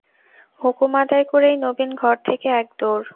হুকুম আদায় করেই নবীন ঘর থেকে এক দৌড়।